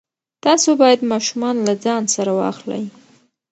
تاسو باید ماشومان له ځان سره واخلئ.